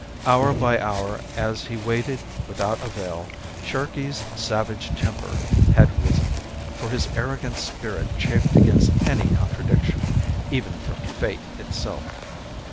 Hour by hour as he waited without avail, Sharkey's savage temper had risen, for his arrogant spirit chafed against any contradiction, even from Fate itself.